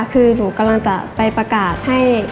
คือหนูกำลังจะไปประกาศให้